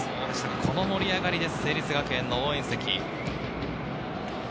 この盛り上がりです、成立学園の応援席。